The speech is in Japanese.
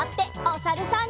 おさるさん。